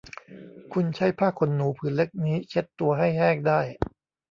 คุณใช้ผ้าขนหนูผืนเล็กนี้เช็ดตัวให้แห้งได้